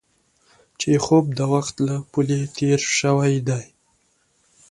چیخوف د وخت له پولې تېر شوی دی.